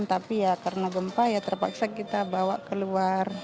tapi ya karena gempa ya terpaksa kita bawa keluar